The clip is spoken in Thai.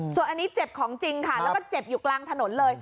ส่วนอันนี้เจ็บของจริงค่ะแล้วก็เจ็บอยู่กลางถนนเลย